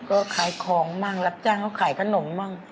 ก็ขายของบ้างรับจ้างเขาขายขนมบ้าง